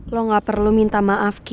lo gak perlu minta maaf ki